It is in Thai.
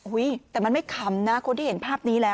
แต่มันไม่ขำนะคนที่เห็นภาพนี้แล้ว